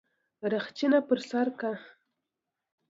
رخچينه پر سر که.